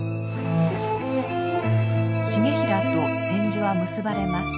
重衡と千手は結ばれます。